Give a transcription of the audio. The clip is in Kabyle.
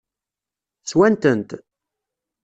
Swan-tent?